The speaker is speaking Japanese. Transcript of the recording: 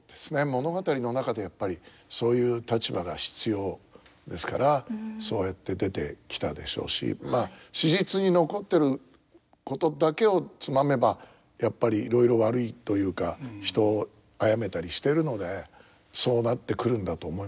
物語の中でやっぱりそういう立場が必要ですからそうやって出てきたでしょうしまあ史実に残ってることだけをつまめばやっぱりいろいろ悪いというか人を殺めたりしてるのでそうなってくるんだと思いますけど。